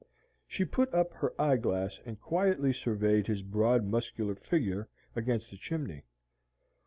(She put up her eye glass and quietly surveyed his broad muscular figure against the chimney.)